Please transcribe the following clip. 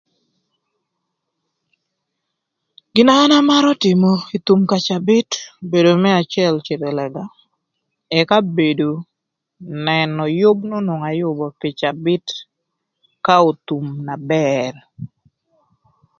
Gina an amarö tïmö ï thum ka cabït obedo më acël cïdhö ï lëga, ëka bedo nënö yüb n'onwongo ayübö pï cabït ka othum na bër.